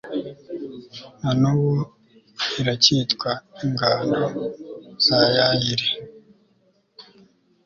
na n'ubu iracyitwa ingando za yayiri